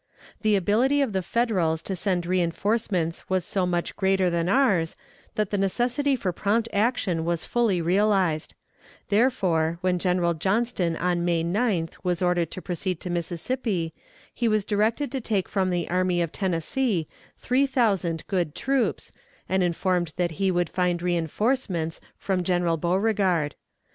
The ability of the Federals to send reënforcements was so much greater than ours, that the necessity for prompt action was fully realized; therefore, when General Johnston on May 9th was ordered to proceed to Mississippi, he was directed to take from the Army of Tennessee three thousand good troops, and informed that he would find reënforcements from General Beauregard.